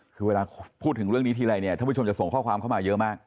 คือเวลาพูดถึงเรื่องนี้ทีไรเนี่ยท่านผู้ชมจะส่งข้อความเข้ามาเยอะมาก